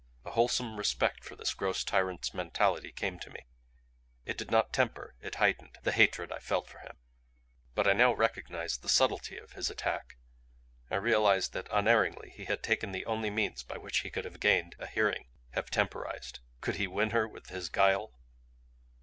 A wholesome respect for this gross tyrant's mentality came to me; it did not temper, it heightened, the hatred I felt for him. But now I recognized the subtlety of his attack; realized that unerringly he had taken the only means by which he could have gained a hearing; have temporized. Could he win her with his guile?